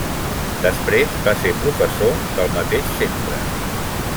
Després va ser professor del mateix centre.